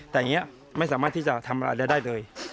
แต่อย่างนี้ไม่สามารถที่จะทำอะไรได้เลย